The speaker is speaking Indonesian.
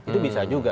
itu bisa juga